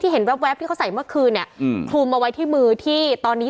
เห็นแว๊บที่เขาใส่เมื่อคืนเนี่ยคลุมเอาไว้ที่มือที่ตอนนี้